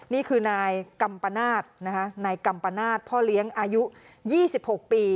นี่คือนายกำปะนาดพ่อเลี้ยงอายุ๒๖ปี